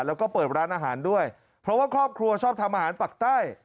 แล้วก็เปิดร้านอาหารด้วยเพราะว่าครอบครัวชอบทำอาหารปักใต้